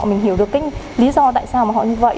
mình hiểu được cái lý do tại sao mà họ như vậy